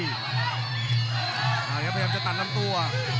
มาครับพยายามจะตัดลำตัว